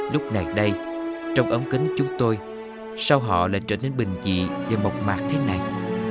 lúc này đây trong ống kính chúng tôi sau họ lại trở nên bình dị và mộc mạc thế này